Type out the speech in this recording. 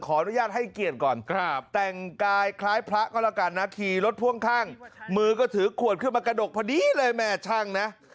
อนุญาตให้เกียรติก่อนแต่งกายคล้ายพระก็แล้วกันนะขี่รถพ่วงข้างมือก็ถือขวดขึ้นมากระดกพอดีเลยแม่ช่างนะ